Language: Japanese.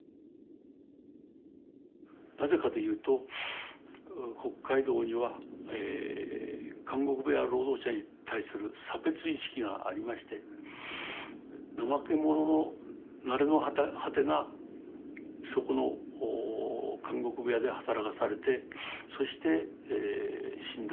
なぜかというと北海道には監獄部屋労働者に対する差別意識がありまして怠け者の成れの果てがそこの監獄部屋で働かされてそして死んだ。